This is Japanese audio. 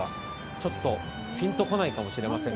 ちょっとぴんとこないかもしれませんが。